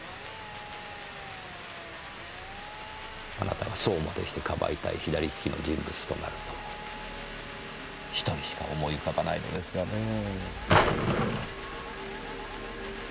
あなたがそうまでして庇いたい左利きの人物となると１人しか思い浮かばないのですがねぇ。